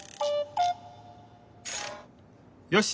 よし！